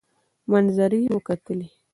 منظرې مو کتلې.